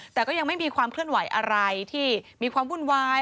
แต่ก็ยังไม่มีความเคลื่อนไหวอะไรที่มีความวุ่นวาย